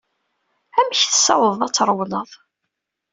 Amek tessawḍeḍ ad trewleḍ?